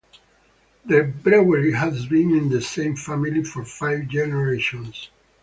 The brewery has been in the same family for five generations.